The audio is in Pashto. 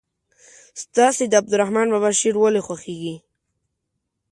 ستاسې د عبدالرحمان بابا شعر ولې خوښیږي.